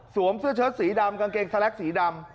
เสื้อเชิดสีดำกางเกงสแล็กสีดำ